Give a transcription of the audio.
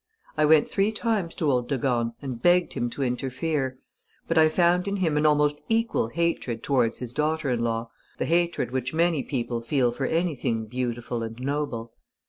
I went three times to old de Gorne and begged him to interfere; but I found in him an almost equal hatred towards his daughter in law, the hatred which many people feel for anything beautiful and noble.